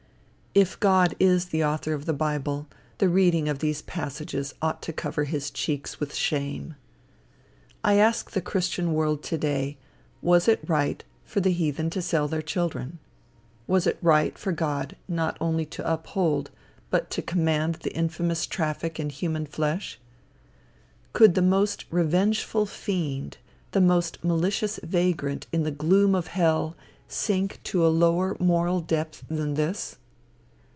If God is the author of the bible, the reading of these passages ought to cover his cheeks with shame. I ask the christian world to day, was it right for the heathen to sell their children? Was it right for God not only to uphold, but to command the infamous traffic in human flesh? Could the most revengeful fiend, the most malicious vagrant in the gloom of hell, sink to a lower moral depth than this?